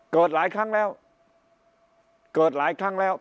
เกิดหลายครั้งแล้วเกิดหลายครั้งแล้ว